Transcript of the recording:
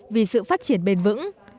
vì sự phát triển bền vững